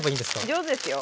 上手ですよ。